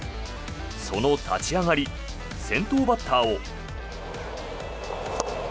その立ち上がり先頭バッターを。